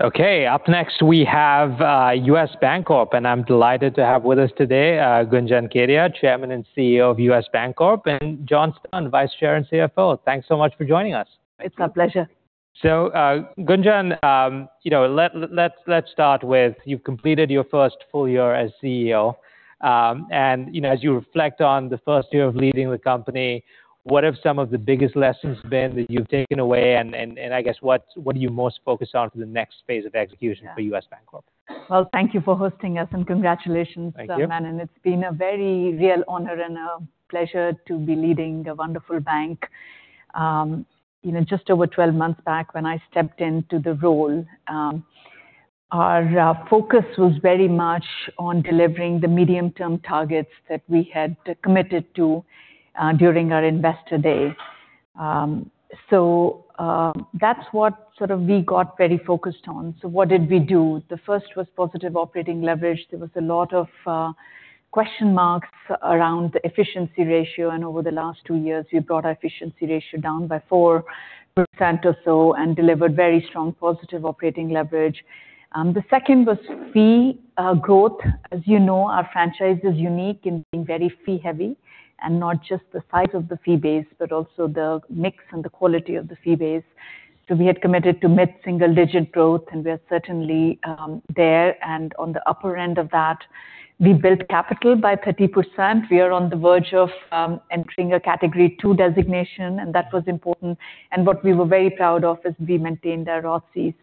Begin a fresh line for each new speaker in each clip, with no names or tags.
Okay. Up next we have U.S. Bancorp, and I'm delighted to have with us today, Gunjan Kedia, Chairman and CEO of U.S. Bancorp, and John Stern, Vice Chair and CFO. Thanks so much for joining us.
It's our pleasure.
Gunjan, let's start with you've completed your first full year as CEO. As you reflect on the first year of leading the company, what have some of the biggest lessons been that you've taken away, and I guess what are you most focused on for the next phase of execution for U.S. Bancorp?
Well, thank you for hosting us, and congratulations.
Thank you
Manan, it's been a very real honor and a pleasure to be leading a wonderful bank. Just over 12 months back when I stepped into the role, our focus was very much on delivering the medium-term targets that we had committed to during our Investor Day. That's what we got very focused on. What did we do? The first was positive operating leverage. There was a lot of question marks around the efficiency ratio, and over the last two years, we've brought our efficiency ratio down by 4% or so and delivered very strong positive operating leverage. The second was fee growth. As you know, our franchise is unique in being very fee heavy. Not just the size of the fee base, but also the mix and the quality of the fee base. We had committed to mid-single digit growth, and we're certainly there and on the upper end of that. We built capital by 30%. We are on the verge of entering a Category II designation, that was important. What we were very proud of is we maintained our ROCE.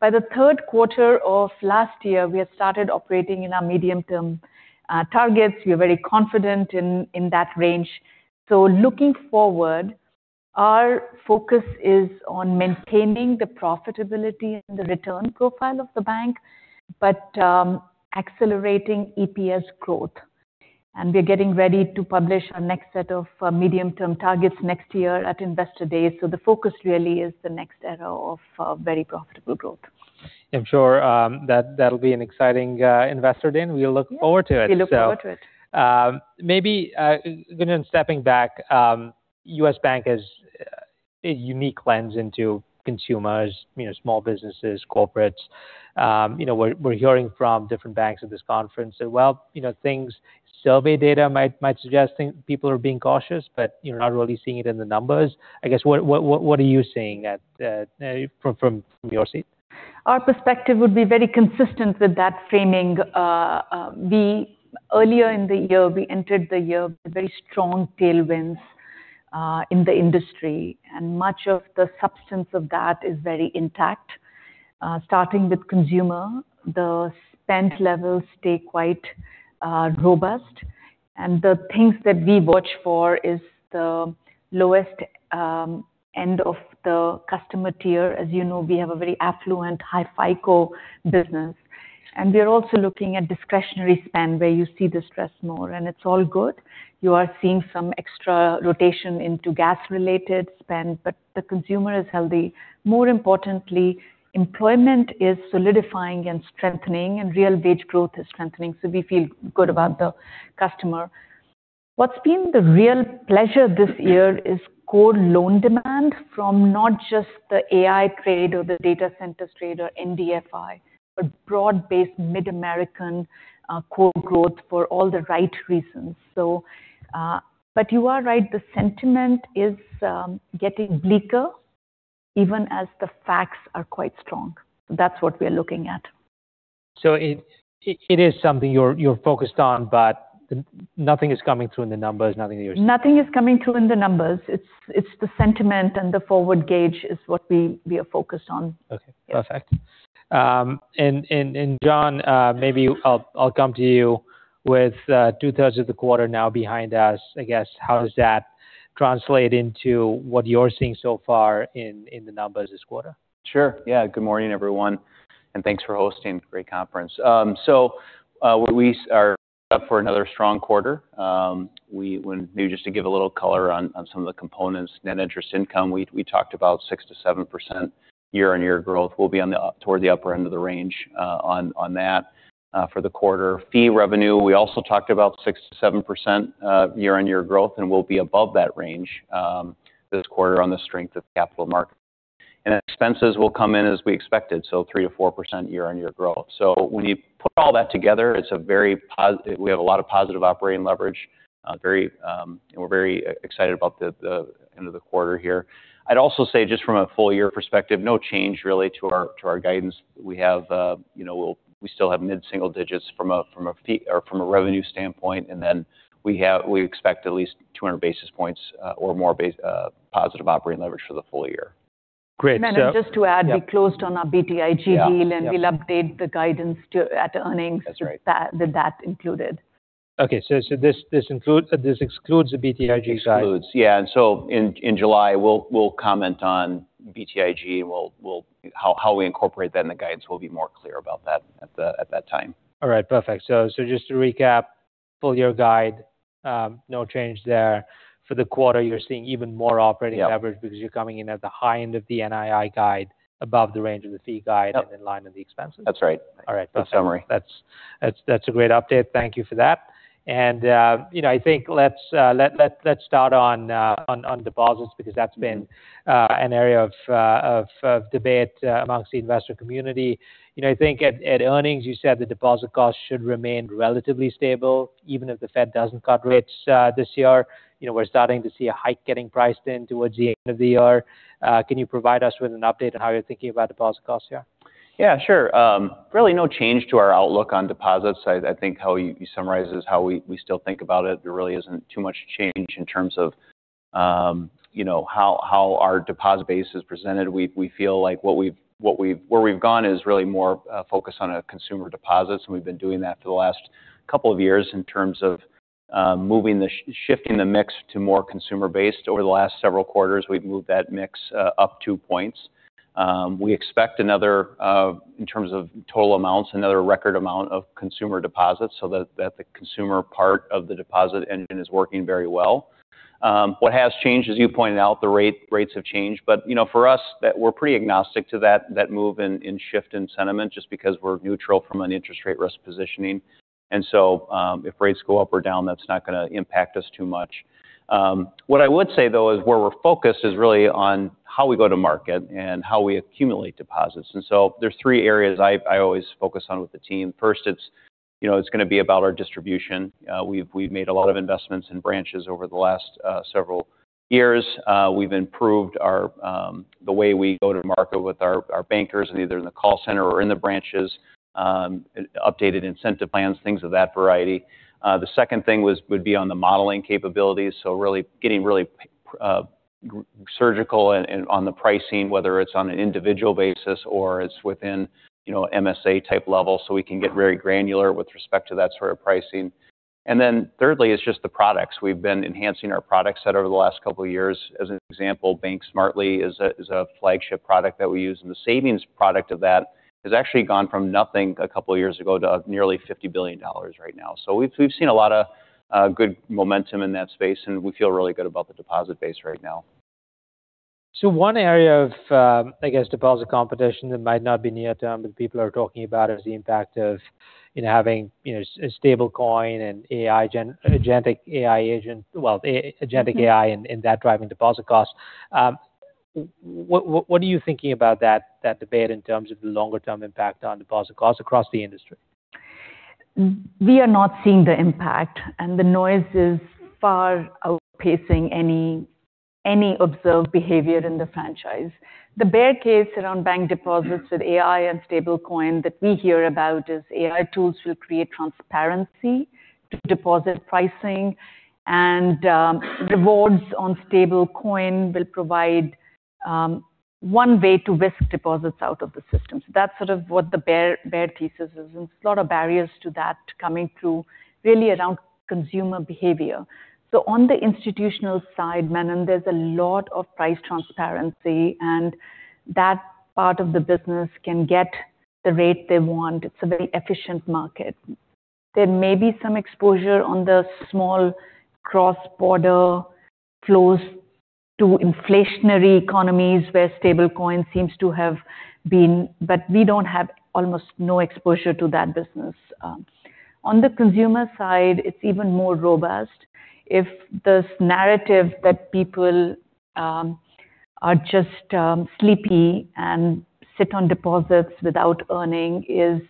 By the third quarter of last year, we had started operating in our medium-term targets. We're very confident in that range. Looking forward, our focus is on maintaining the profitability and the return profile of the bank, but accelerating EPS growth. We're getting ready to publish our next set of medium-term targets next year at Investor Day. The focus really is the next era of very profitable growth.
I'm sure that that'll be an exciting Investor Day, we look forward to it.
Yes. We look forward to it.
Maybe, Gunjan, stepping back, U.S. Bank has a unique lens into consumers, small businesses, corporates. We're hearing from different banks at this conference that, well, things, survey data might suggest people are being cautious, but you're not really seeing it in the numbers. I guess, what are you seeing from your seat?
Our perspective would be very consistent with that framing. Earlier in the year, we entered the year with very strong tailwinds in the industry, much of the substance of that is very intact. Starting with consumer, the spend levels stay quite robust. The things that we watch for is the lowest end of the customer tier. As you know, we have a very affluent, high FICO business. We are also looking at discretionary spend, where you see the stress more, and it's all good. You are seeing some extra rotation into gas-related spend, the consumer is healthy. More importantly, employment is solidifying and strengthening, and real wage growth is strengthening, we feel good about the customer. What's been the real pleasure this year is core loan demand from not just the AI trade or the data centers trade or NDFI, but broad-based Mid-American core growth for all the right reasons. You are right, the sentiment is getting bleaker even as the facts are quite strong. That's what we are looking at.
It is something you're focused on, but nothing is coming through in the numbers.
Nothing is coming through in the numbers. It's the sentiment and the forward gauge is what we are focused on.
Okay. Perfect. John, maybe I'll come to you. With two-thirds of the quarter now behind us, I guess how does that translate into what you're seeing so far in the numbers this quarter?
Sure. Yeah. Good morning, everyone, and thanks for hosting. Great conference. We are up for another strong quarter. Maybe just to give a little color on some of the components. Net interest income, we talked about 6%-7% year-on-year growth. We'll be toward the upper end of the range on that for the quarter. Fee revenue, we also talked about 6%-7% year-on-year growth, and we'll be above that range this quarter on the strength of capital markets. Expenses will come in as we expected, so 3%-4% year-on-year growth. When you put all that together, we have a lot of positive operating leverage, and we're very excited about the end of the quarter here. I'd also say just from a full year perspective, no change really to our guidance. We still have mid-single digits from a revenue standpoint, we expect at least 200 basis points or more positive operating leverage for the full year.
Great.
Manan, just to add.
Yeah.
We closed on our BTIG deal.
Yeah.
We'll update the guidance at earnings.
That's right.
With that included.
Okay. This excludes the BTIG side.
Excludes. Yeah. In July, we'll comment on BTIG, and how we incorporate that in the guidance, we'll be more clear about that at that time.
All right. Perfect. Just to recap, full year guide, no change there. For the quarter, you're seeing even more operating leverage.
Yeah.
Because you're coming in at the high end of the NII guide above the range of the fee guide,
Yep
in line with the expenses.
That's right.
All right.
Good summary.
That's a great update. Thank you for that. I think let's start on deposits because that's been an area of debate amongst the investor community. I think at earnings you said the deposit cost should remain relatively stable even if the Fed doesn't cut rates this year. We're starting to see a hike getting priced in towards the end of the year. Can you provide us with an update on how you're thinking about deposit costs here?
Yeah, sure. Really no change to our outlook on deposits. I think how you summarize is how we still think about it. There really isn't too much change in terms of how our deposit base is presented. We feel like where we've gone is really more focused on consumer deposits, and we've been doing that for the last couple of years in terms of shifting the mix to more consumer based. Over the last several quarters, we've moved that mix up 2 points. We expect another, in terms of total amounts, another record amount of consumer deposits so that the consumer part of the deposit engine is working very well. What has changed, as you pointed out, the rates have changed. For us, we're pretty agnostic to that move in shift in sentiment just because we're neutral from an interest rate risk positioning. If rates go up or down, that's not going to impact us too much. What I would say though is where we're focused is really on how we go to market and how we accumulate deposits. There's three areas I always focus on with the team. First, it's going to be about our distribution. We've made a lot of investments in branches over the last several years. We've improved the way we go to market with our bankers in either in the call center or in the branches, updated incentive plans, things of that variety. The second thing would be on the modeling capabilities, so really getting really surgical on the pricing, whether it's on an individual basis or it's within MSA type level, so we can get very granular with respect to that sort of pricing. Thirdly is just the products. We've been enhancing our product set over the last couple of years. As an example, Bank Smartly is a flagship product that we use, and the savings product of that has actually gone from nothing a couple of years ago to nearly $50 billion right now. We've seen a lot of good momentum in that space, and we feel really good about the deposit base right now.
One area of, I guess, deposit competition that might not be near term that people are talking about is the impact of having stablecoin and agentic AI agent, well, agentic AI in that driving deposit cost. What are you thinking about that debate in terms of the longer-term impact on deposit costs across the industry?
We are not seeing the impact, the noise is far outpacing any observed behavior in the franchise. The bear case around bank deposits with AI and stablecoin that we hear about is AI tools will create transparency to deposit pricing, and rewards on stablecoin will provide one way to risk deposits out of the system. That's sort of what the bear thesis is, there's a lot of barriers to that coming through really around consumer behavior. On the institutional side, Manan, there's a lot of price transparency, and that part of the business can get the rate they want. It's a very efficient market. There may be some exposure on the small cross-border flows to inflationary economies where stablecoin seems to have been, but we don't have almost no exposure to that business. On the consumer side, it's even more robust. If this narrative that people are just sleepy and sit on deposits without earning is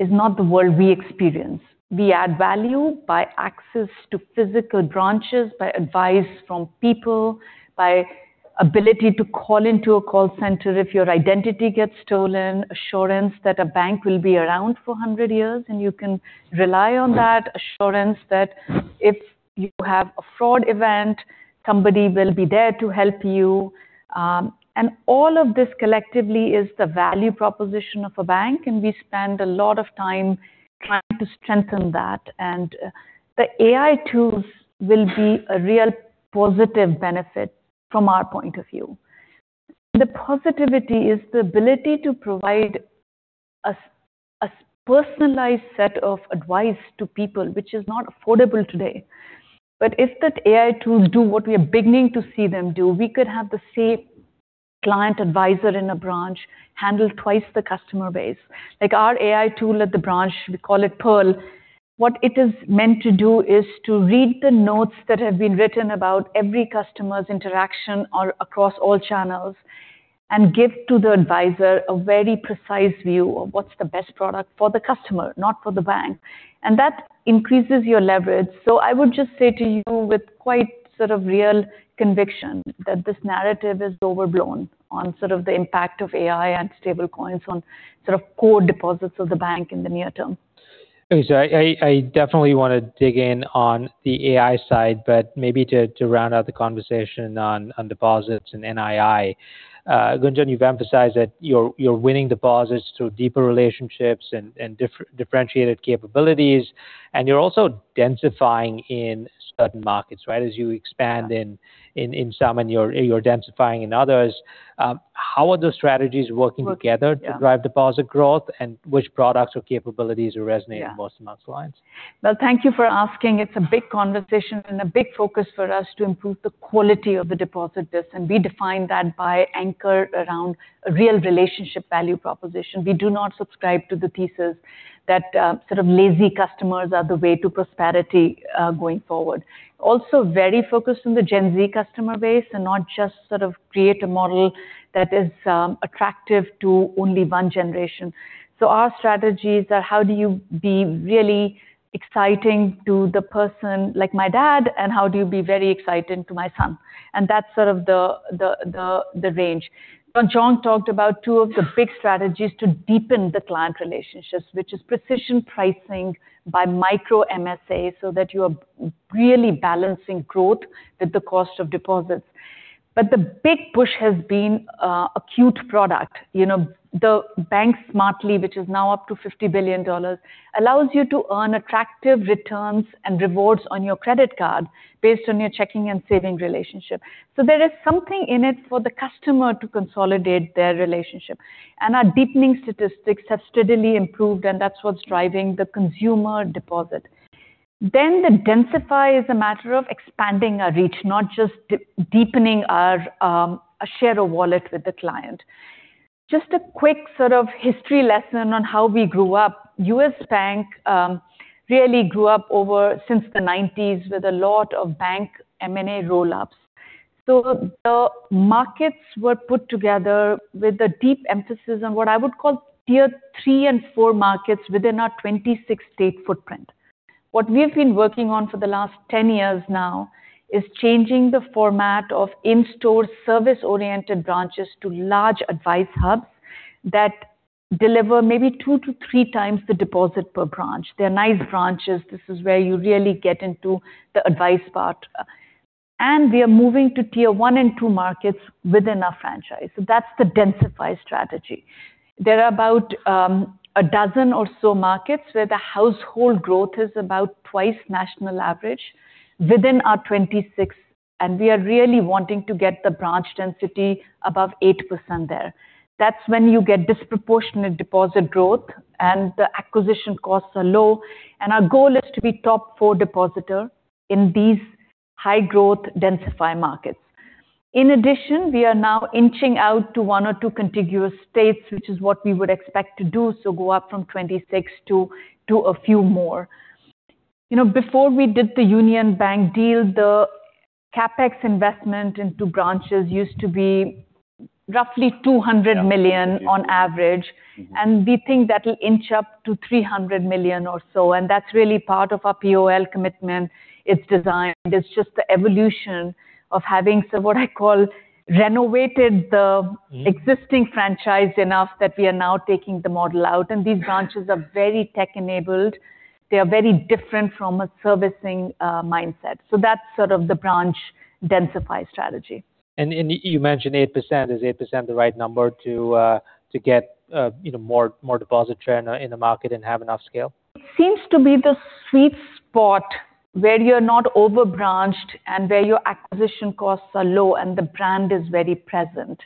not the world we experience. We add value by access to physical branches, by advice from people, by ability to call into a call center if your identity gets stolen, assurance that a bank will be around for 100 years, and you can rely on that assurance that if you have a fraud event, somebody will be there to help you. All of this collectively is the value proposition of a bank, we spend a lot of time trying to strengthen that. The AI tools will be a real positive benefit from our point of view. The positivity is the ability to provide a personalized set of advice to people, which is not affordable today. If that AI tools do what we are beginning to see them do, we could have the same client advisor in a branch handle twice the customer base. Like our AI tool at the branch, we call it Pearl. What it is meant to do is to read the notes that have been written about every customer's interaction across all channels and give to the advisor a very precise view of what's the best product for the customer, not for the bank. That increases your leverage. I would just say to you with quite sort of real conviction that this narrative is overblown on sort of the impact of AI and stablecoins on sort of core deposits of the bank in the near term.
Okay. I definitely want to dig in on the AI side, maybe to round out the conversation on deposits and NII. Gunjan, you've emphasized that you're winning deposits through deeper relationships and differentiated capabilities, you're also densifying in certain markets, right? As you expand in some and you're densifying in others. How are those strategies working together-
Working. Yeah
to drive deposit growth, which products or capabilities are resonating-
Yeah
most amongst clients?
Well, thank you for asking. It's a big conversation and a big focus for us to improve the quality of the deposit base, and we define that by anchor around a real relationship value proposition. We do not subscribe to the thesis that sort of lazy customers are the way to prosperity going forward. Also very focused on the Gen Z customer base and not just sort of create a model that is attractive to only one generation. Our strategies are how do you be really exciting to the person like my dad, and how do you be very exciting to my son? That's sort of the range. John talked about two of the big strategies to deepen the client relationships, which is precision pricing by micro MSA, so that you're really balancing growth with the cost of deposits. The big push has been acute product. Bank Smartly, which is now up to $50 billion, allows you to earn attractive returns and rewards on your credit card based on your checking and savings relationship. There is something in it for the customer to consolidate their relationship. Our deepening statistics have steadily improved, and that's what's driving the consumer deposit. The densify is a matter of expanding our reach, not just deepening our share of wallet with the client. Just a quick sort of history lesson on how we grew up. U.S. Bank really grew up over since the 1990s with a lot of bank M&A roll-ups. The markets were put together with a deep emphasis on what I would call Tier 3 and 4 markets within our 26-state footprint. What we've been working on for the last 10 years now is changing the format of in-store service-oriented branches to large advice hubs that deliver maybe two to three times the deposit per branch. They're nice branches. This is where you really get into the advice part. We are moving to Tier 1 and 2 markets within our franchise. That's the densify strategy. There are about a dozen or so markets where the household growth is about twice national average within our 26, and we are really wanting to get the branch density above 8% there. That's when you get disproportionate deposit growth, and the acquisition costs are low. Our goal is to be top four depositor in these high-growth densify markets. In addition, we are now inching out to one or two contiguous states, which is what we would expect to do, go up from 26 to a few more. Before we did the Union Bank deal, the CapEx investment into branches used to be roughly $200 million on average. We think that'll inch up to $300 million or so, and that's really part of our POL commitment. It's designed, it's just the evolution of having some what I call renovated the existing franchise enough that we are now taking the model out. These branches are very tech-enabled. They are very different from a servicing mindset. That's sort of the branch densify strategy.
You mentioned 8%. Is 8% the right number to get more deposit trend in the market and have enough scale?
It seems to be the sweet spot where you're not over-branched and where your acquisition costs are low and the brand is very present.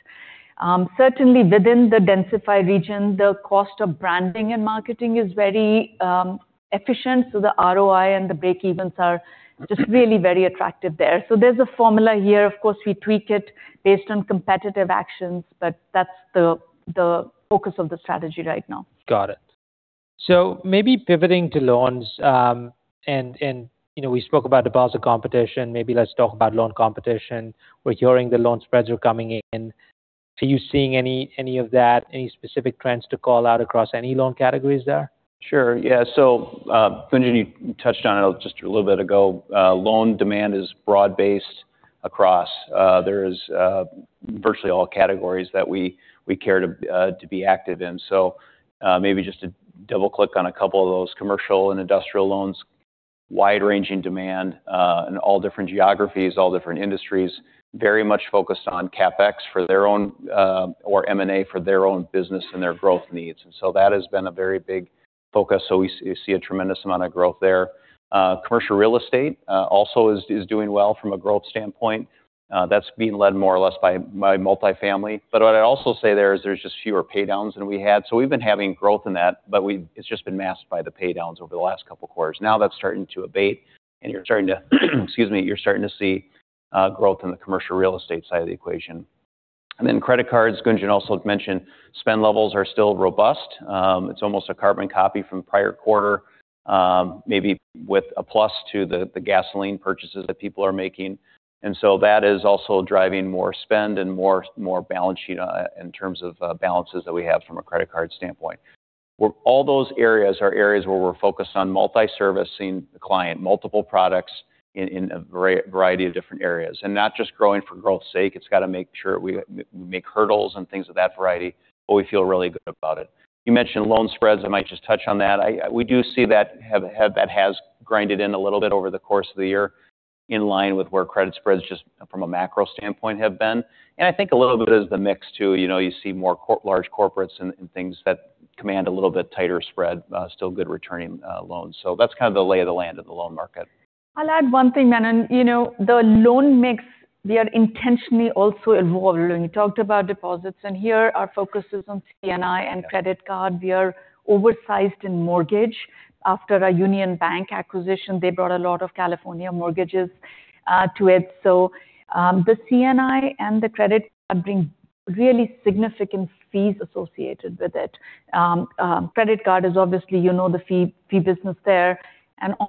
Certainly within the densify region, the cost of branding and marketing is very efficient. The ROI and the break-evens are just really very attractive there. There's a formula here. Of course, we tweak it based on competitive actions, but that's the focus of the strategy right now.
Got it. Maybe pivoting to loans. We spoke about deposit competition. Maybe let's talk about loan competition. We're hearing the loan spreads are coming in. Are you seeing any of that, any specific trends to call out across any loan categories there?
Sure. Yeah. Gunjan, you touched on it just a little bit ago. Loan demand is broad-based across. There is virtually all categories that we care to be active in. Maybe just to double-click on a couple of those commercial and industrial loans. Wide-ranging demand in all different geographies, all different industries. Very much focused on CapEx for their own, or M&A for their own business and their growth needs. That has been a very big focus. We see a tremendous amount of growth there. Commercial real estate also is doing well from a growth standpoint. That's being led more or less by multifamily. But what I'd also say there is there's just fewer paydowns than we had. We've been having growth in that, but it's just been masked by the paydowns over the last couple quarters. That's starting to abate, excuse me, you're starting to see growth in the commercial real estate side of the equation. Credit cards, Gunjan also mentioned, spend levels are still robust. It's almost a carbon copy from prior quarter, maybe with a plus to the gasoline purchases that people are making. That is also driving more spend and more balance sheet in terms of balances that we have from a credit card standpoint. All those areas are areas where we're focused on multi-servicing the client, multiple products in a variety of different areas. Not just growing for growth's sake. It's got to make sure we make hurdles and things of that variety, we feel really good about it. You mentioned loan spreads. I might just touch on that. We do see that has grinded in a little bit over the course of the year, in line with where credit spreads just from a macro standpoint have been. I think a little bit is the mix too. You see more large corporates and things that command a little bit tighter spread, still good returning loans. That's kind of the lay of the land of the loan market.
I'll add one thing, Manan. The loan mix, we are intentionally also evolving. You talked about deposits, here our focus is on C&I and credit card. We are oversized in mortgage. After our Union Bank acquisition, they brought a lot of California mortgages to it. The C&I and the credit card bring really significant fees associated with it. Credit card is obviously the fee business there.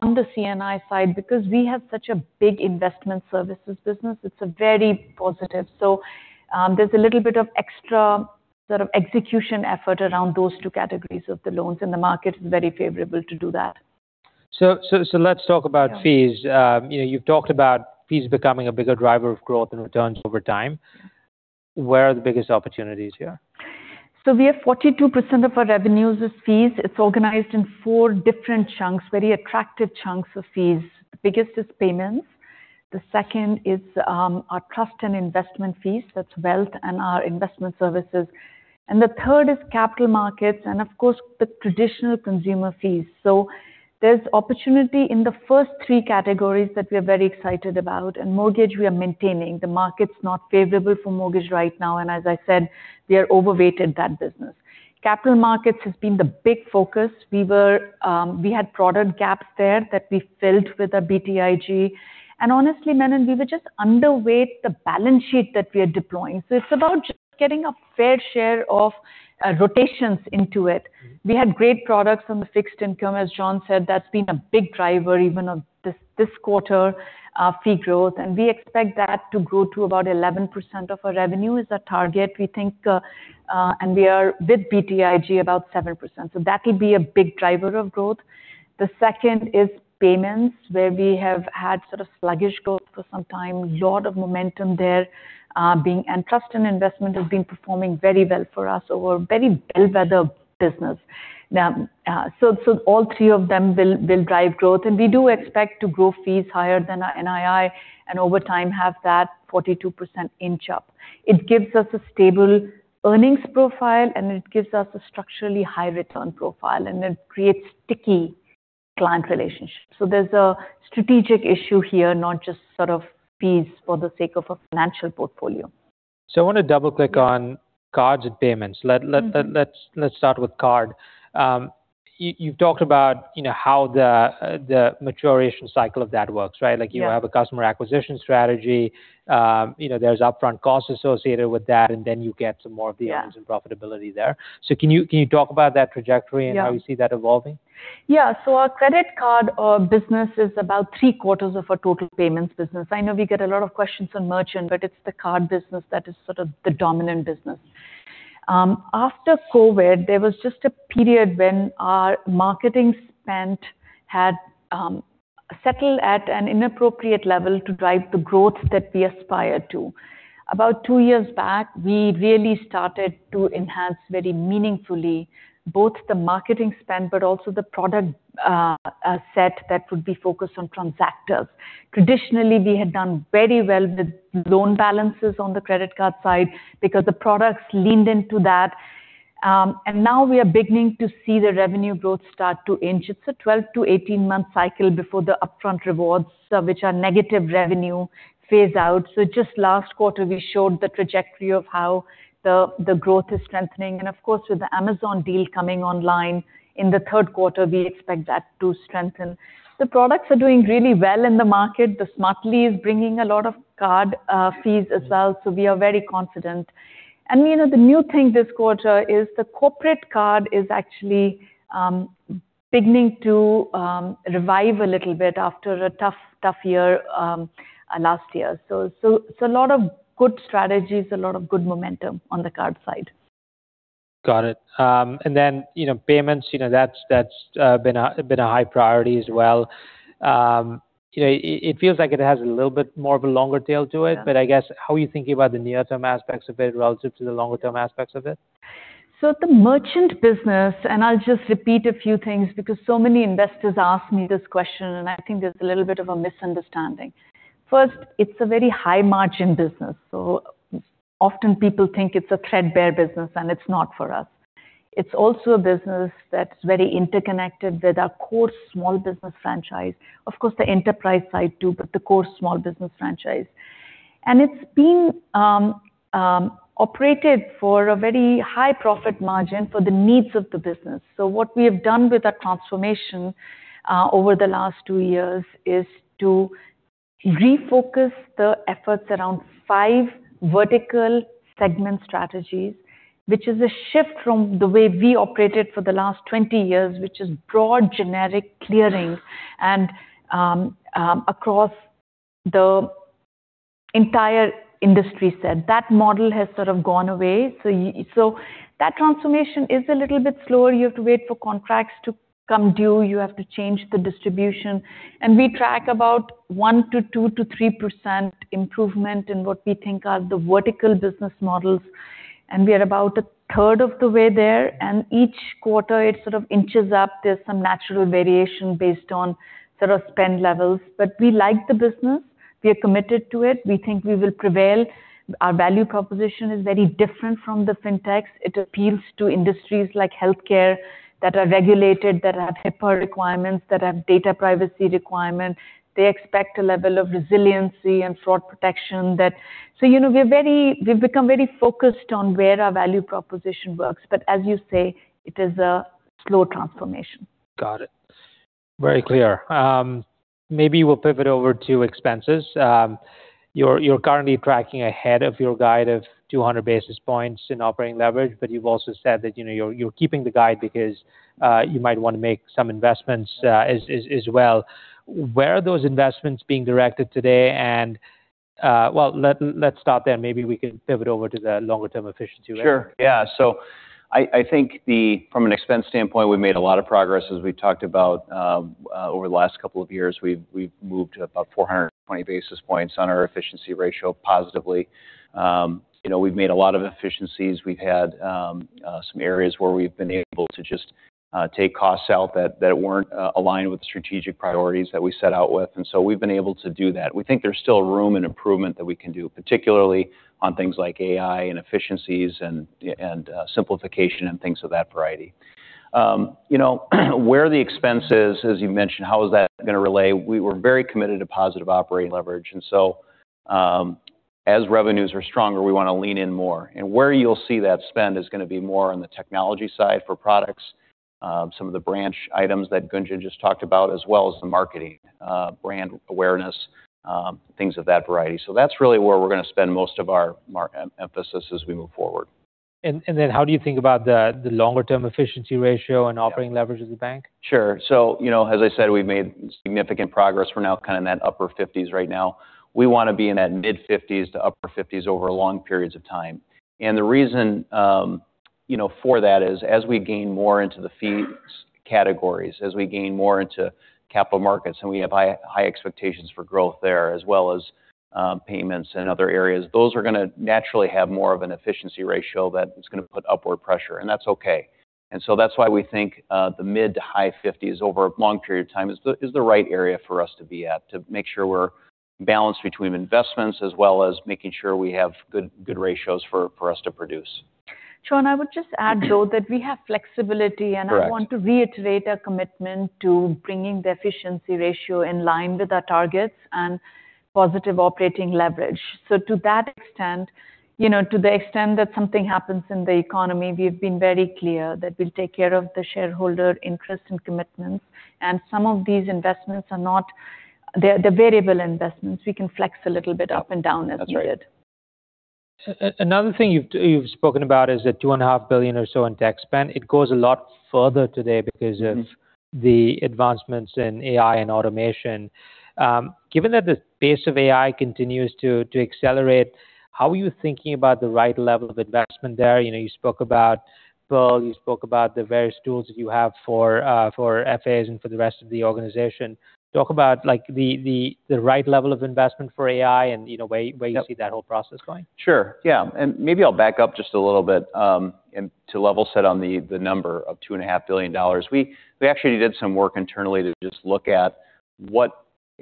On the C&I side, because we have such a big investment services business, it's a very positive. There's a little bit of extra sort of execution effort around those two categories of the loans, the market is very favorable to do that.
Let's talk about fees. You've talked about fees becoming a bigger driver of growth and returns over time. Where are the biggest opportunities here?
We have 42% of our revenues is fees. It's organized in four different chunks, very attractive chunks of fees. The biggest is payments. The second is our trust and investment fees, that's wealth and our investment services. The third is capital markets, and of course, the traditional consumer fees. There's opportunity in the first three categories that we are very excited about. In mortgage, we are maintaining. The market's not favorable for mortgage right now, and as I said, we are overweighted that business. Capital markets has been the big focus. We had product gaps there that we filled with our BTIG. Honestly, Manan, we were just underweight the balance sheet that we are deploying. It's about just getting a fair share of rotations into it. We had great products on the fixed income. As John said, that's been a big driver even of this quarter fee growth, and we expect that to grow to about 11% of our revenue is the target, we think, and we are with BTIG about 7%. That'll be a big driver of growth. The second is payments, where we have had sort of sluggish growth for some time. A lot of momentum there, and trust and investment has been performing very well for us so we're very bellwether business. All three of them will drive growth, and we do expect to grow fees higher than our NII, and over time have that 42% inch up. It gives us a stable earnings profile, and it gives us a structurally high return profile, and it creates sticky client relationships. There's a strategic issue here, not just sort of fees for the sake of a financial portfolio.
I want to double-click on cards and payments. Let's start with card. You've talked about how the maturation cycle of that works, right?
Yeah.
You have a customer acquisition strategy. There's upfront costs associated with that, then you get some more of the-
Yeah
earnings and profitability there. Can you talk about that trajectory-
Yeah
How you see that evolving?
Yeah. Our credit card business is about three quarters of our total payments business. I know we get a lot of questions on merchant, but it's the card business that is sort of the dominant business. After COVID, there was just a period when our marketing spend had settled at an inappropriate level to drive the growth that we aspire to. About two years back, we really started to enhance very meaningfully both the marketing spend, but also the product set that would be focused on transactors. Traditionally, we had done very well with loan balances on the credit card side because the products leaned into that. Now we are beginning to see the revenue growth start to inch. It's a 12 to 18-month cycle before the upfront rewards, which are negative revenue, phase out. Just last quarter, we showed the trajectory of how the growth is strengthening. Of course, with the Amazon deal coming online in the third quarter, we expect that to strengthen. The products are doing really well in the market. The Smartly is bringing a lot of card fees as well, we are very confident. The new thing this quarter is the corporate card is actually beginning to revive a little bit after a tough year last year. It's a lot of good strategies, a lot of good momentum on the card side.
Got it. Then payments, that's been a high priority as well. It feels like it has a little bit more of a longer tail to it.
Yeah.
I guess, how are you thinking about the near-term aspects of it relative to the longer-term aspects of it?
The merchant business, I'll just repeat a few things because so many investors ask me this question, and I think there's a little bit of a misunderstanding. First, it's a very high margin business, so often people think it's a threadbare business, and it's not for us. It's also a business that's very interconnected with our core small business franchise. Of course, the enterprise side too, but the core small business franchise. It's been operated for a very high profit margin for the needs of the business. What we have done with our transformation over the last two years is to refocus the efforts around five vertical segment strategies, which is a shift from the way we operated for the last 20 years, which is broad generic clearings and across the entire industry set. That model has sort of gone away. That transformation is a little bit slower. You have to wait for contracts to come due. You have to change the distribution. We track about 1% to 2% to 3% improvement in what we think are the vertical business models. We are about a third of the way there, and each quarter it sort of inches up. There's some natural variation based on sort of spend levels. We like the business. We are committed to it. We think we will prevail. Our value proposition is very different from the fintechs. It appeals to industries like healthcare that are regulated, that have HIPAA requirements, that have data privacy requirements. They expect a level of resiliency and fraud protection. We've become very focused on where our value proposition works. As you say, it is a slow transformation.
Got it. Very clear. Maybe we'll pivot over to expenses. You're currently tracking ahead of your guide of 200 basis points in operating leverage, but you've also said that you're keeping the guide because you might want to make some investments as well. Where are those investments being directed today? Well, let's stop there. Maybe we can pivot over to the longer-term efficiency ratio.
Sure. Yeah. I think from an expense standpoint, we've made a lot of progress, as we've talked about. Over the last couple of years, we've moved about 420 basis points on our efficiency ratio positively. We've made a lot of efficiencies. We've had some areas where we've been able to just take costs out that weren't aligned with the strategic priorities that we set out with. We've been able to do that. We think there's still room and improvement that we can do, particularly on things like AI and efficiencies and simplification and things of that variety. Where the expense is, as you mentioned, how is that going to relay? We were very committed to positive operating leverage. As revenues are stronger, we want to lean in more. Where you'll see that spend is going to be more on the technology side for products. Some of the branch items that Gunjan just talked about, as well as the marketing, brand awareness, things of that variety. That's really where we're going to spend most of our emphasis as we move forward.
How do you think about the longer-term efficiency ratio and operating leverage of the bank?
Sure. As I said, we've made significant progress. We're now kind of in that upper 50s% right now. We want to be in that mid 50s%-upper 50s% over long periods of time. The reason for that is as we gain more into the fees categories, as we gain more into capital markets, and we have high expectations for growth there, as well as payments and other areas, those are going to naturally have more of an efficiency ratio that it's going to put upward pressure, and that's okay. That's why we think the mid to high 50s% over a long period of time is the right area for us to be at to make sure we're balanced between investments as well as making sure we have good ratios for us to produce.
Manan, I would just add, though, that we have flexibility.
Correct.
I want to reiterate our commitment to bringing the efficiency ratio in line with our targets and positive operating leverage. To that extent, to the extent that something happens in the economy, we've been very clear that we'll take care of the shareholder interest and commitments. Some of these investments, they're variable investments. We can flex a little bit up and down as needed.
That's right.
Another thing you've spoken about is the $2.5 billion or so in tech spend. It goes a lot further today because of the advancements in AI and automation. Given that the pace of AI continues to accelerate, how are you thinking about the right level of investment there? You spoke about Pearl, you spoke about the various tools that you have for FAs and for the rest of the organization. Talk about the right level of investment for AI and where you see that whole process going.
Sure. Yeah. Maybe I'll back up just a little bit to level set on the number of $2.5 billion. We actually did some work internally to just look at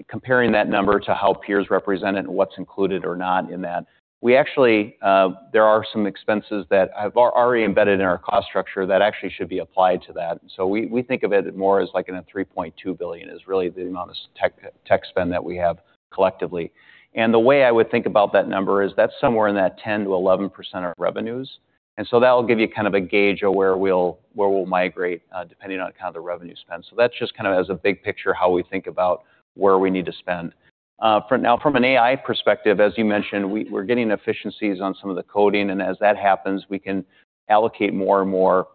comparing that number to how peers represent it and what's included or not in that. There are some expenses that are already embedded in our cost structure that actually should be applied to that. We think of it more as like in a $3.2 billion is really the amount of tech spend that we have collectively. The way I would think about that number is that's somewhere in that 10%-11% of revenues. That will give you kind of a gauge of where we'll migrate depending on kind of the revenue spend. That's just kind of as a big picture, how we think about where we need to spend. From an AI perspective, as you mentioned, we're getting efficiencies on some of the coding, and as that happens, we can allocate more and more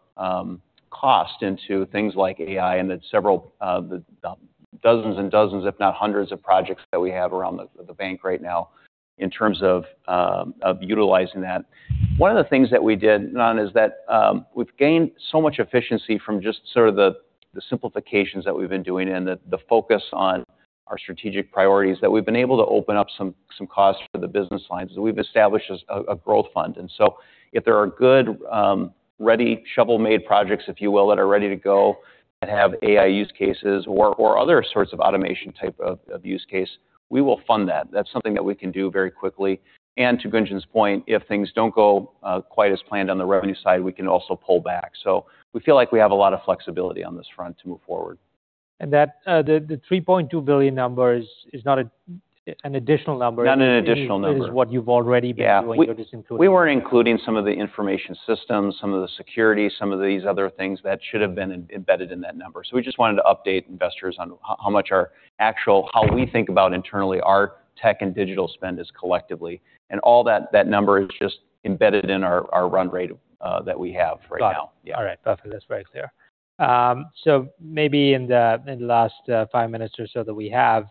cost into things like AI and the dozens and dozens, if not hundreds of projects that we have around the bank right now in terms of utilizing that. One of the things that we did, Manan, is that we've gained so much efficiency from just sort of the simplifications that we've been doing and the focus on our strategic priorities that we've been able to open up some costs for the business lines. We've established a growth fund. If there are good ready shovel-made projects, if you will, that are ready to go that have AI use cases or other sorts of automation type of use case, we will fund that. That's something that we can do very quickly. To Gunjan's point, if things don't go quite as planned on the revenue side, we can also pull back. We feel like we have a lot of flexibility on this front to move forward.
The $3.2 billion number is not an additional number.
Not an additional number.
It is what you've already been doing. You're just including that.
We weren't including some of the information systems, some of the security, some of these other things that should have been embedded in that number. We just wanted to update investors on how we think about internally our tech and digital spend is collectively, and all that number is just embedded in our run rate that we have right now.
Got it.
Yeah.
All right. Got it. That's very clear. Maybe in the last five minutes or so that we have,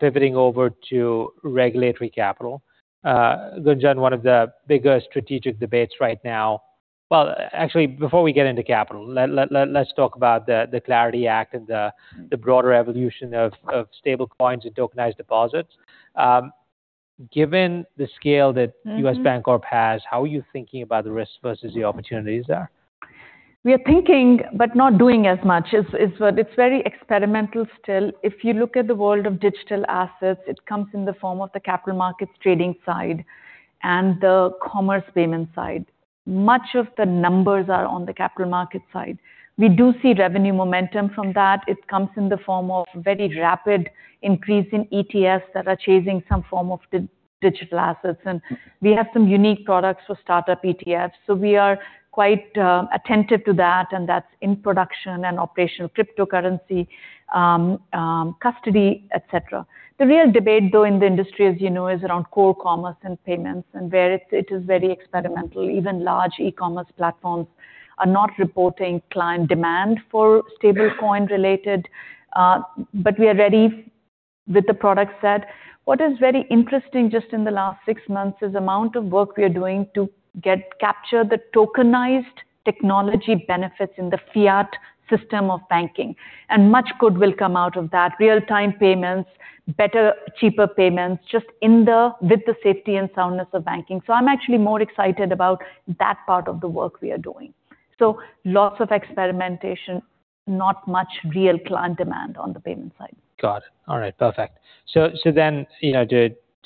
pivoting over to regulatory capital. Gunjan, one of the bigger strategic debates right now. Well, actually, before we get into capital, let's talk about the CLARITY Act and the broader evolution of stablecoins and tokenized deposits. Given the scale that U.S. Bancorp has, how are you thinking about the risk versus the opportunities there?
We are thinking, not doing as much. It's very experimental still. If you look at the world of digital assets, it comes in the form of the capital markets trading side and the commerce payment side. Much of the numbers are on the capital market side. We do see revenue momentum from that. It comes in the form of very rapid increase in ETFs that are chasing some form of digital assets. We have some unique products for startup ETFs. We are quite attentive to that, and that's in production and operational cryptocurrency, custody, et cetera. The real debate though in the industry, as you know, is around core commerce and payments and where it is very experimental. Even large e-commerce platforms are not reporting client demand for stablecoin related. We are ready with the product set. What is very interesting just in the last six months is amount of work we are doing to get capture the tokenized technology benefits in the fiat system of banking. Much good will come out of that. Real-time payments, better, cheaper payments, just with the safety and soundness of banking. I'm actually more excited about that part of the work we are doing. Lots of experimentation, not much real client demand on the payment side.
Got it. All right, perfect.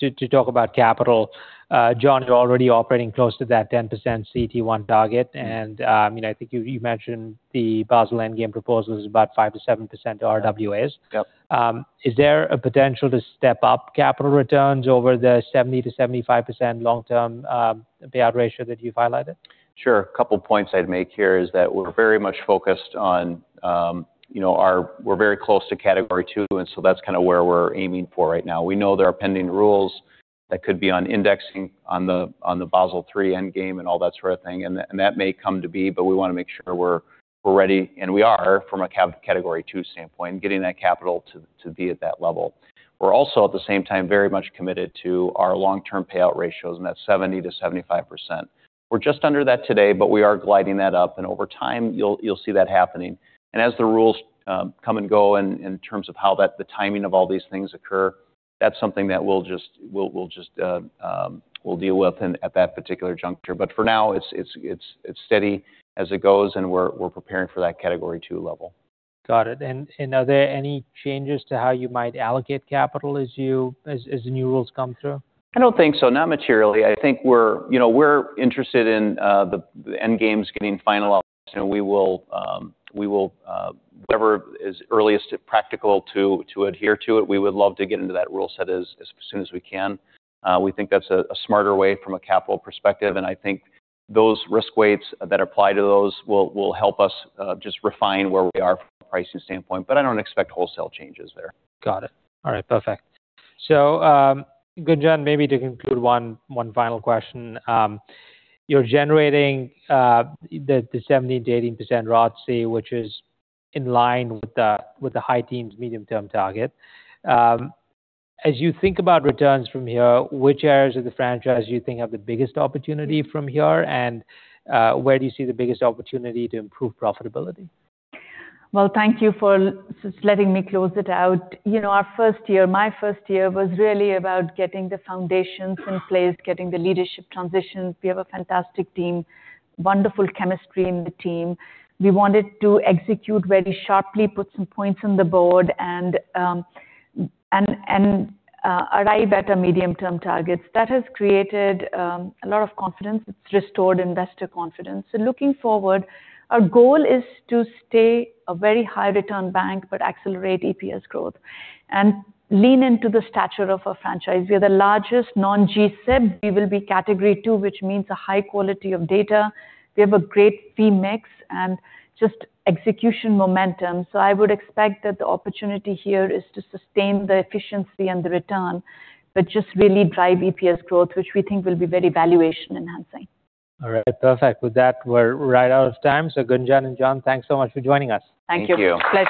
To talk about capital, John, you're already operating close to that 10% CET1 target. I think you mentioned the Basel Endgame proposal is about 5%-7% RWAs.
Yep.
Is there a potential to step up capital returns over the 70%-75% long-term payout ratio that you've highlighted?
Sure. A couple points I'd make here is that we're very close to Category II, so that's kind of where we're aiming for right now. We know there are pending rules that could be on indexing on the Basel III Endgame and all that sort of thing, and that may come to be, but we want to make sure we're ready, and we are from a Category II standpoint, getting that capital to be at that level. We're also, at the same time, very much committed to our long-term payout ratios. That's 70%-75%. We're just under that today, but we are gliding that up, and over time you'll see that happening. As the rules come and go in terms of how the timing of all these things occur, that's something that we'll deal with at that particular juncture. For now, it's steady as it goes, and we're preparing for that Category II level.
Got it. Are there any changes to how you might allocate capital as the new rules come through?
I don't think so, not materially. I think we're interested in the Endgame getting finalized. We will, whatever is earliest practical to adhere to it. We would love to get into that rule set as soon as we can. We think that's a smarter way from a capital perspective, and I think those risk weights that apply to those will help us just refine where we are from a pricing standpoint. I don't expect wholesale changes there.
Got it. All right, perfect. Gunjan, maybe to conclude, one final question. You're generating the 17%-18% ROIC, which is in line with the high teens medium-term target. As you think about returns from here, which areas of the franchise do you think have the biggest opportunity from here? Where do you see the biggest opportunity to improve profitability?
Thank you for letting me close it out. Our first year, my first year was really about getting the foundations in place, getting the leadership transitions. We have a fantastic team, wonderful chemistry in the team. We wanted to execute very sharply, put some points on the board, and arrive at a medium-term target. That has created a lot of confidence. It's restored investor confidence. Looking forward, our goal is to stay a very high return bank but accelerate EPS growth and lean into the stature of our franchise. We are the largest non-G-SIB. We will be Category II, which means a high quality of data. We have a great fee mix and just execution momentum. I would expect that the opportunity here is to sustain the efficiency and the return, but just really drive EPS growth, which we think will be very valuation enhancing.
All right, perfect. With that, we're right out of time. Gunjan and John, thanks so much for joining us.
Thank you.
Thank you.
Pleasure.